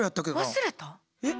忘れた？え。